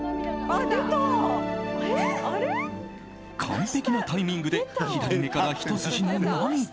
完璧なタイミングで左目からひと筋の涙。